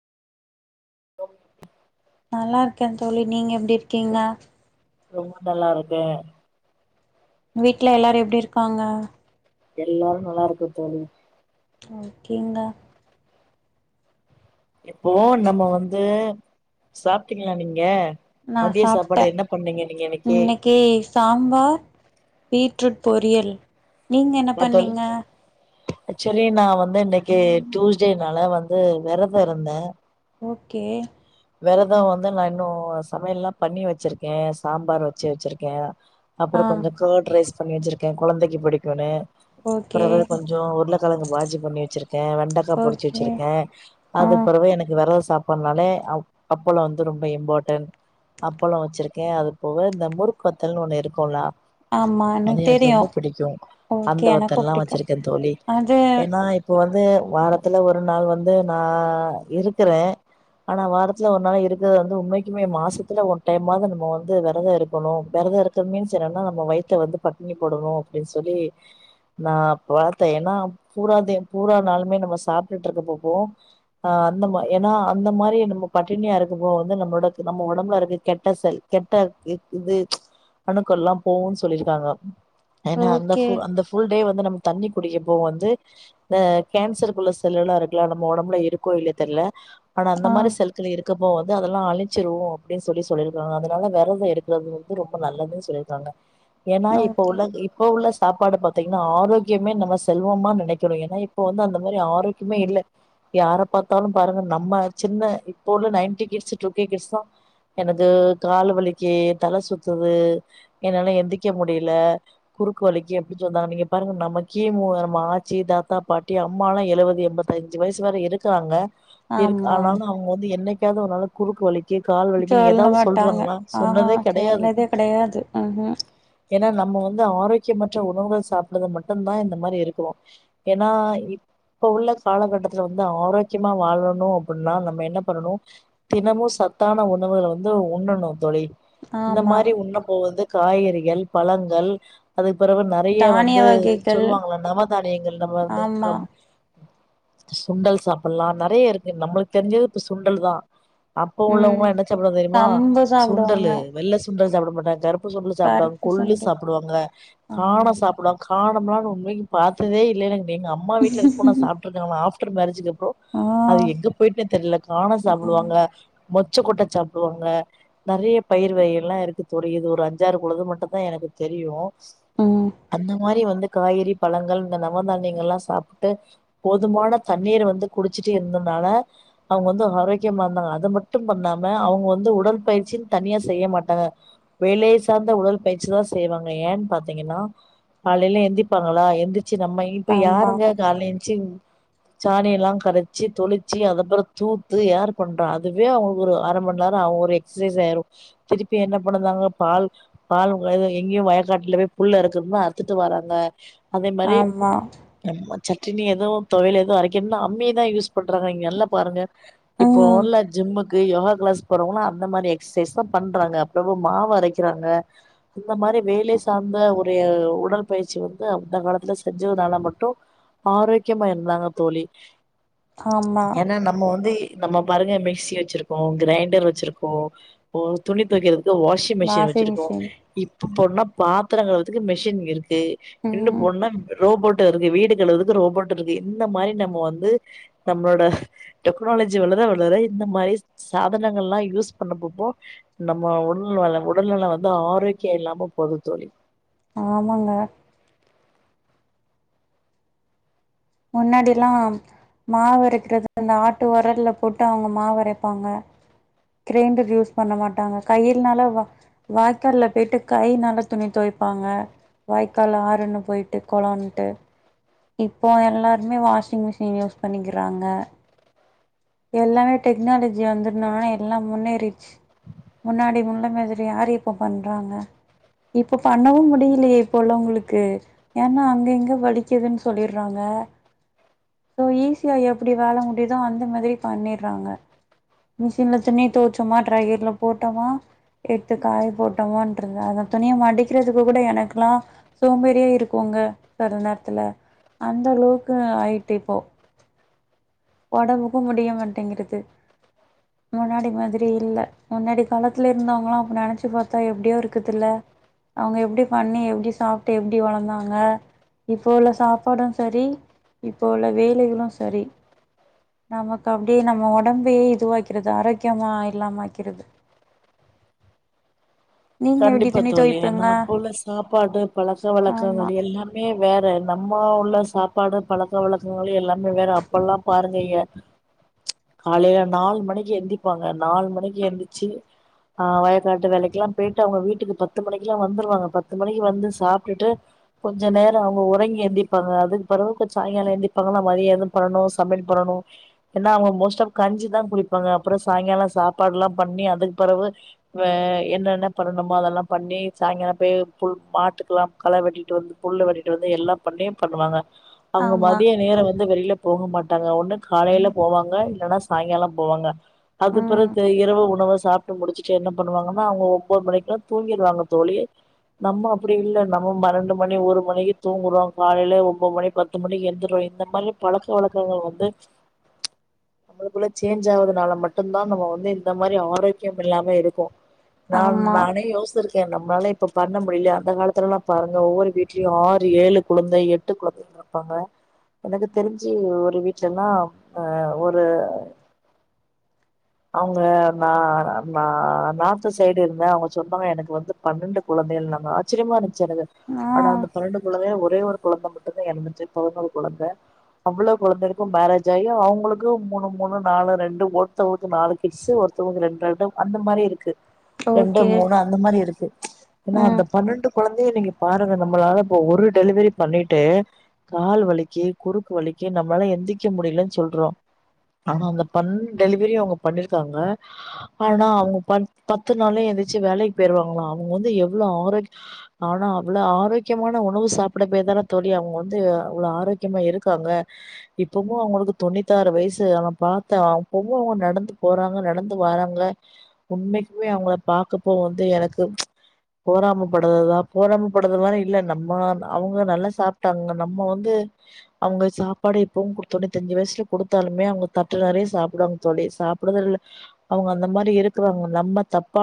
[inaudible] நல்லா இருக்கே தோலி நீங்க எப்டி இருக்கீங்க ரொம்ப நல்லா இருக்கே வீட்ல எல்லாரு எப்டி இருக்காங்க எல்லாரு நல்லா இருக்கோ தோலி ஓகேங்க இப்போ நம்ம வந்து சாப்ட்டீங்ளா நீங்க நா மதிய சாப்ட்ட சாப்பாடு என்ன பண்ணீங்க நீங்க இன்னைக்கு சாம்பார் பீட் ட்ரூட் பொறியல் நீங்க என்ன பண்ணீங்க ஆக்சுவலி நா வந்து இன்னைக்கு டியூஸ்டேனால வந்து விரதோ இருந்தே ஓகே வெரதோ வந்து நா இன்னு சமையல்லா பண்ணி வெச்சிருக்கே சாம்பார் வெச்சு வெச்சிருக்கே அப்புறோ ஆ கொஞ்ச கேட் ரைஸ் பண்ணி வெச்சிருக்கே கொழந்தைக்கி புடிக்குனு ஓகே அப்பறவே கொஞ்சோ உருளைக்கிழங்கு பாஜி பண்ணி வெச்சிருக்கே வெண்டைக்கா பொறிச்சு ஓகே வெச்சிருக்கே ஆ அது பிறவே எனக்கு வெர சாப்புனாலே அ அப்பளோ வந்து ரொம்ப இம்பார்ட்டன் அப்பளோ வெச்சிருக்கே அது போக இந்த முறுக்கு வத்தல்னு ஒண்ணு இருக்குலா ஆமா அது எனக்கு தெரியு ரொம்ப பிடிக்கு ஓகே அந்த எனக்கு வத்தல்லா பிடிக்கு வெச்சிருக்கே தோழி அது ஏன்னா இப்போ வந்து வாரத்துல ஒரு நாள் வந்து நா இருக்குறே ஆனா வாரத் ஒரு நாள் இருக்குற வந்து உண்மைக்குமே மாசத்துல ஒன் டைம்மாது நம்ம வந்து வெரதோ இருக்கணு வெரதோ இருக்க மீன்ஸ் என்னன்னா நம்ம வயித்த வந்து பட்டினி போடணு அப்டின்னு சொல்லி நா பாத்தே ஏன்னா பூராத்தியு பூரா நாளுமே நம்ம சாப்பிட்டுட்ருக்க போப்போ ஆ அந்த மா ஏன்னா அந்த மாரி நம்ம பட்டினியா இருக்கப்போ வந்து நம்மளோட நம்ம ஒடம்புல இருக்க கெட்ட செல் கெட்ட இது அணுக்கல்லா போவுன் சொல்லிருக்காங்க ஏன்னா அந்த ஓகே ஃபுல் அந்த ஃபுல்டே வந் நம் தண்ணி குடிக்கப்போ வந்து அ கேன்சருக்குள்ள செல்லால்லா இருக்குலா நம்ம ஒடம்புல இருக்கோ இல்ல தெர்ல ஆனா அந்த ஆ மாரி செல் இருக்கப்போ வந்து அதெல்லா அழிச்சிருவோ அப்டின் சொல்லி சொல்லியிருக்காங்க அதனால வெரத எடுக்குறது வந்து ரொம்ப நல்லது சொல்லியிருக்காங்க ஏன்னா இப்ப ஓகே உள்ளது இப்ப உள்ள சாப்பாடு பாத்தீங்கன்னா ஆரோக்கியமே நம்ம செல்வமா நினைக்கிறோ ஏன்னா இப்போ வந்து அந்த மாரி ஆரோக்கியமே இல்ல யார பாத்தாலு பாருங்க நம்ம சின்ன இப்போ உள்ள ninety kids two K kids தா என்னது கால் வலிக்கி தல சுத்துது என்னால எந்திக்க முடியல குறுக்கு வலிக்கு அப்டி சொன்னாங்க நீங்க பாருங்க நம்மகே மூவாயிரமா ஆச்சி தாத்தா பாட்டி அம்மாலா எழுவது எண்பத்தஞ்சு வயிசு வர இருக்குறாங்க இருக் ஆமா ஆனாலு அவுங்க என்னைக்காவது ஒரு நாள குறுக்கு வழிக் சொல்ல மாட்டாங்க ஆஹா சொன்னதே கெடையாது சொன்னதே கெடையாது உம் ம் ஏன்னா நம்ம வந்து ஆரோக்கியமற்ற உணவுகள் சாப்படுற மட்டு தா இந்த மாரி இருக்குனு ஏன்னா இப்ப உள்ள காலகட்டத்துல வந்து ஆரோக்கியமா வாழணு அப்பின்னா நம்ம என்ன பண்ணணு தினமு சத்தான உணவுகள வந்து உண்ணணு தோழி இந்த ஆமா மாரி உண்ணப்போவது காய்கறிகள் பழங்கள் அதுக்கு பிறவு நெறைய தானிய வந்து வகைகள் சொல்லுவாங்களே நவதானியங்கள் நம்ம வந்து ஆமா கம் சுண்டல் சாப்பில்லா நெறைய இருக்கு நம்மளுக்கு தெரிஞ்ச து சுண்டல் தா அப்போ ம் உள்ளவங்களா என்ன சாப்புடுவாங் தெரியுமா கம்பு சாப்டுவாங்க சுண்டலு வெள்ள சுண்டல் சாப்ட மோட்டா தர்ப் [unintelligible] சாப்புட்டாங் கருப்பு கொல்லு சுண்டல் சாப்பிடுவாங்க ஆமா காண சாப்புலாங் காணம்லான்னு உண்மைக்கி பாத்ததே இல்லேனு எனக் எங்க அம்மா வீட்ல இருக்கு சாப்புட்ருக்கனாஃப் ட்ருந்து அருஜீன்னப்போ ஆ அது எங்க போயிட்னே காண ம் சாப்பிடுவாங்க மொச் ச்ச கொட்ட சாப்புடுவாங்க நெறைய பயிர் வகைகல்லா இருக்கு தோழி இது ஒரு அஞ்சாறு குல்லது மட்டுந்தா எனக்கு தெரியு ம் அந்த மாரி வந்துட் காய்கறி பழங்கள் இந்த நவதானியங்கள் எல்லா சாப்ட்டு போதுமான தண்ணீர வந்து குடிச்சுட்டே இருந்ததுனால அவுங்க வந்து ஆரோக்கியமாந்தாங்க அத மட்டும் பண்ணாம அவுங்க வந்து உடல் பயிற்சின் தனியா செய்ய மாட்டாங்க வெலை சார்ந்த உடல் பயிற்சி தா செய்வாங்க ஏன் பாத்தீங்கன்னா காலையல எந்திப்பாங்களா எந்திரி ச்சு நம்ப இப்ப ஆமா யாருங்க கால்ல ஏஞ் ச்சிப் சாணி எல்லா கரைச்சி தொளிச்சு அதப்புறம் தூத்து யார் பண்றா அதுவே அவங்களு அர மண் நேரம் அவங்க ஒரு எக்சசைஸ் ஆயிரும் திருப்பி என்ன பண்ணந்தாங்க பால் பால் எங்கேயும் வயக்காட்டுல போய் புல்ல அறுக்குறன்ன அறுத்துட்டு வராங்க. அதே மாரி ஆமா அம் வந்த் சட்டினி எதவ் தொவயல் எதவ் அரைக்கனுனா அம்மி தா யூஸ் பண்றாங்க இங்க ல்லா பாருங்க இப்போ ம் ஒர்ல ஜிம்முக் கு யோகா க்ளாஸ் போறவங்கள அந்த மாரி எக்சசைஸ் தா பண்றாங்க அப்புறமா மாவ அரைக்கறாங்க அந்த மாரி வேலய் சார்ந்த ஒர் உடைய உடல் பயிற்சி வந்து அந்த காலத்துல செஞ்சதுனால மட்டும் ஆரோக்கியமா இருந்தாங்க தோழி ஆம்மா இப்ப வந்து நம்ம பாருங்க மிக்சி வெச்சிருக்கோ கிரைண்டர் வெச்சிருக்கோ இப்போ துணி தோய்க்கிற வாஷிங் மிஷின் வெச்சிருக்கோ இப் போனா பாத்திர கெழவதுக்கு மிஷின் இருக் கு இன்னு ம் போனா ரோபோட்டு் இருக்கு வீடு கழறக்கு ரோபோட் இருக்கு இந்த மாரி நம்ம வந்து நம்மளோட டெக்னாலஜி வளர வளர இந்த மாரி சா சாதனங்கல்லா. யூஸ் பண்ணப்பப்போ நம்ம உடநல உடல்நல வந்து ஆரோக்கியம் இல்லாம போது தோழி ஆமாங்க முன்னாடில்லா மாவு அரைக்கறது அந்த ஆட்டு ஒரல்ல போட்டு அவுங்க மாவு அரைப்பாங்க கிரைண்டர் யூஸ் பண்ண மாட்டாங்க கையில்னால வாய்க்கால்ல போயிட்டு கையினால துணி தோய்ப்பாங்க வாய்க்கால் ஆறுன்னு போயிட்டு கொளன்னுட்டு இப்போ எல்லாருமே வாஷிங் மிஷின் யூஸ் பண்ணிக்கிறாங்க எல்லாமே டெக்னாலஜி வந்துருந்தானா எல்லா முன்னேறிச்சி முன்னாடி முன்ன மாதிரி யாரு இப்ப பண்றாங்க இப்ப பண்ணவு முடியலையே இப்ப உள்ளவங்களுக்கு ஏன்னா அங்க இங்க வலிக்குதுன் சொல்லிறாங்க சோ ஈஸியா எப்டி வேல முடியுதோ அந்த மாதிரி பண்ணிறாங்க மிஷின்ல துணி தோச்சோமா ட்ரையர்ல போட்டோமா எத்து காய போட்டோமான்றந்த அந்த துணியை மடிக்கறதுக்கு கூட எனக்கெல்லா சோம்பேறியா இருக்கும்ங்க செல நேரத்துல அந்த அளவுக்கு ஆயிட்டு இப்போ ஒடம்புக்கு முடியும் மாட்டாங்கிறது முன்னாடி மாதிரி இல்ல முன்னாடி காலத்துல இருந்தவங்கள அப்போ நெனைச்சி பாத்தா எப்டியோ இருக்குதுல்ல அவுங்க எப்டி பண்ணி எப்டி சாப்ட்டு எப்டி வளந்தாங்க இப்ப உள்ள சாப்பாடு செரி இப்போ உள்ள வேலைகளும் செரி நமக் அப்டி நம்ம ஒடம்பையே இதுவாக்கிறது ஆரோக்கியமா இல்லாமக்கிறது கண்டிப்பா தோழி ஏனா அப்ப உள்ள சாப்பாடு பலக்க ஆமா வலக்கங்கள் எல்லாமே வேற நம் ம்மா உள்ள சாப்பாடு பழக்க வழக்கங்கள் எல்லாமே வேற அப்பல்லா பாருங்க எ காலையல நால் மணிக்கு எழுந்திப்பாங்க நால் மணிக்கு எந்திர்ச்சு ஆ வயக்காட்டு வேலைக்கெல்லா போய்ட்டு அவுங்க வீட்டுக்கு பத்து மணிக்கு அ வந்துருவாங்க பத்து மணிக்கு வந்து சாப்ட்டுட்டு கொஞ்ச நேர அவுங்க ஓறங்கி எழுந்திப்பாங்க அதுக்கு பிறவு கொச் சாயங்கால எழுந்திப்பாங்காலம் மதியம் இது பண்ணனும் சமையல் பண்ணனும் ஏன்னா அவங்க மோஸ்ட் ஆப் கஞ்சி தா குடிப்பாங்க அப்புறம் சாயங்கால சாப்பாடு எல்லா பண்ணி அதுக்கு பிறவு வே என்னன்ன பண்ணணுமா அதெல்லா பண்ணி சாயங்காலம் போய் புல் மாட்டுக்கெலாம் கள வெட்டீட்டு வந்து புல் வெட்டீட்டு வந்து எல்லாம் பண்ணியும் பண்ணுவாங்க அவுங்க ஆமா மதிய நேர வந்து வெளியலப் போக மாட்டாங்க ஒண்ணு காலையல போவாங்க இல்லன்னா சாயங்கால போவாங்க ம் அதுக்பிறகு இரவு உணவ சாப் ட்டு முடிச்சுட்டு என்ன பண்ணுவாங்கன்னா அவங்க ஓ ஒம்பதரைக்கலா தூங்கிருவாங்க தோழி நம்ம அப்டி இல்ல நம்ம பன்னான்டு மணி ஒரு மணிக்கு தூங்குறோ காலையல ஒம்பது மணி பத்து மணிக்கு எந்திரோ இந்த மாதிரி பழக்க வழக்கங்கள் வந்து நம்மளுக்குள்ள சேஞ்ச் ஆகறந்தானலா மட்டுந்தா நம்ப வந்து இந்த மாரி ஆரோக்கியமில்லாமே இருக்கும் நான் ஆமா நானே யோசுறு நம்மளால இப்ப பண்ண முடியல அந்த காலத்துலலா பாருங்க ஒவ்வொரு வீட்லயும் ஆறு ஏழு கொழந்தை எட்டு கொழந்தை இருப்பாங்க எனக்கு தெரிஞ்சு ஒரு வீட்லல்லா அ ஒரு அவுங்க நா நா நா சைடு இருந்த அவுங்க சொன்னாங்க எனக்கு வந்து பன்னெண்டு கொழந்தைகள்னங்க ஆச்சரியமா இருக் ச்சரது ஆ ஆனா அந்த பன்னண்டு கொழந்தைங் ஒரு ஒரே ஒரு கொலந்த மட்டுதா ஏறந்துட்டு பதினொரு கொலந்த அவ்ளோ கொலந்தைள்கு மேரேஜ் ஆயி அவங்களுக்கு மூணு மூணு நாலு ரெண்டு ஒருத்தவங்களுக்கு நாலு கிட்சு ஒருத்தவங்க ரெண்ரெண்டு அந்த மாரி இருக்கு ரெண்டு ஓகே மூணு அந்த மாரி ச் இருக்கு ஏனா ம் அந்த பன்னெண்டு கொழந்தைய நீங்க பாருங்க நம்மளால இப்ப ஒரு டெலிவரி பண்ணிட்டு கால் வலிக்கு குறுக்கு வலிக்கு நம்மளால எந்திக்க முடியலனு சொல்றோ ஆனா அந்த பண்ணெட்டு டெலிவரியு அவங்க பண்ணிருக்காங்க ஆனா அவங்க பன் பத்து நாள்ளே எந்திச்சு வேலைக்கு போயிருவாங்களா அவங்க வந்து எவ்ளோ ஆரோக் ஆனா அவ்ளோ ஆரோக்கியமான உணவு சாப்பிட போய்தான தோழி அவங்க வந்து அவ்ளோ ஆரோக்கியமா இருக்காங்க இப்பமு அவங்களுக்கு தொண்ணூத்தி ஆறு வயசு ஆ பாத்தா அப்பவு அவங்க நடந்து போறாங்க நடந்து வாராங்க உண்மைக் இப்பவே அவுங்கள பாக்கப்போ வந்து எனக்கு போறாமபடுததா போரமப்படுறதுலா இல்ல நம்ம அவங்க நல்லா சாப்ட்டாங்க நம்ம வந்து அவங்க சாப்பாடு இப்பவு குடுத்த தொன்னுதஞ்சு வயசுல குடுத்தாலுமே அவங்க தட்டு நெறைய சாப்பிடுவாங்க தோழி சாப்புட்றதுல அவங்க அந்த மாரி இருக்குறவுங்க நம்ம தப்பா